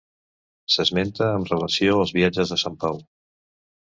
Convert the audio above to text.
S'esmenta amb relació als viatges de Sant Pau.